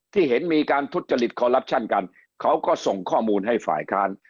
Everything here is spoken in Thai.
ที่เห็นมีการทุจจฤษกันเขาก็ส่งข้อมูลให้ฝ่ายค้าน